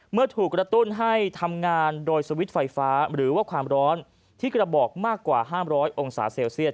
เมื่อถูกกระตุ้นให้ทำงานโดยสวิตช์ไฟฟ้าหรือว่าความร้อนที่กระบอกมากกว่า๕๐๐องศาเซลเซียต